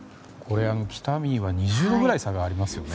北見は２０度ぐらい差がありますよね。